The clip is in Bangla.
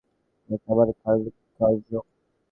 ওটা আমার কারুকার্য?